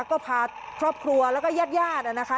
ก็พาครอบครัวแล้วก็ญาติญาตินะคะ